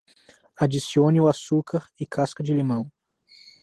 Adicione o açúcar e casca de limão.